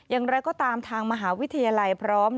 อย่างไรก็ตามทางมหาวิทยาลัยพร้อม